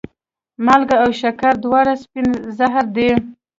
مالګه او شکره دواړه سپین زهر دي.